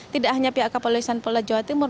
tidak hanya pihak kepolisian polda jawa timur